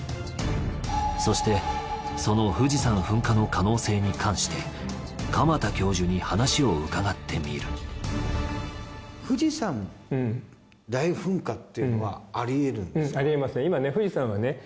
そしてその富士山噴火の可能性に関して鎌田教授に話を伺ってみる富士山大噴火っていうのはありえるんですか？